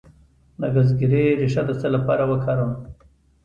د ګزګیرې ریښه د څه لپاره وکاروم؟